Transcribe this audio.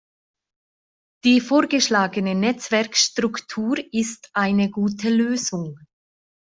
Die vorgeschlagene Netzwerkstruktur ist eine gute Lösung.